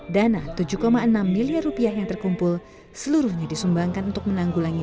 dana tujuh enam miliar rupiah yang terkumpul seluruhnya disumbangkan untuk menanggulangi